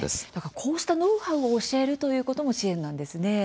こうしたノウハウを教えるということも支援なんですね。